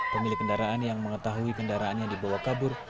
pemilik kendaraan yang mengetahui kendaraannya dibawa kabur